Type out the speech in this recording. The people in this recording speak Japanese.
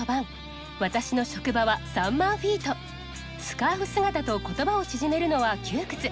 「スカーフ姿」と言葉を縮めるのは窮屈。